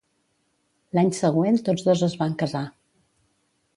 L'any següent, tots dos es van casar.